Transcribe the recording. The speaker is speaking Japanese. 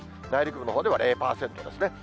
内陸部のほうでは０％ですね。